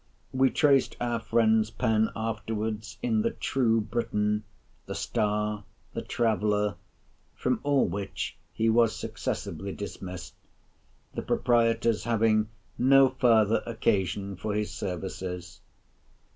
We traced our friend's pen afterwards in the "True Briton," the "Star," the "Traveller,"—from all which he was successively dismissed, the Proprietors having "no further occasion for his services."